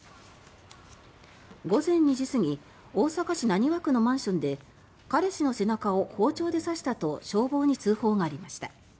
午前２時過ぎ大阪市浪速区のマンションで彼氏の背中を包丁で刺したと消防に通報がありました。